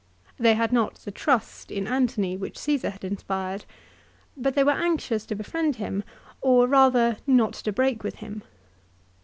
They had not the trust in Antony which Csesar had inspired. But they were anxious to befriend him, or rather not to break with him.